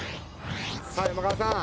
さあ山川さん。